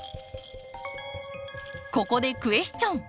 ここでクエスチョン！